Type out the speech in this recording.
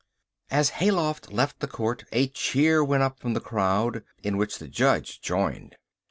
As Hayloft left the court a cheer went up from the crowd, in which the judge joined.